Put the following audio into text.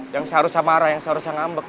yang seharusnya marah yang seharusnya ngambek